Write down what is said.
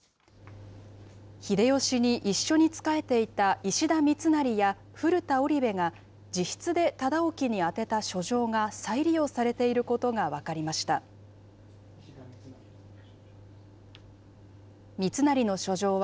秀吉に一緒に仕えていた石田三成や、古田織部が自筆で忠興に宛てた書状が再利用されていることが分かりました。